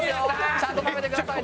ちゃんと食べてくださいね。